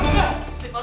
lu tuh yang konduktor